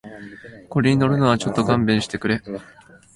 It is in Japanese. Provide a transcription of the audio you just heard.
これに乗るのはちょっと勘弁してくれ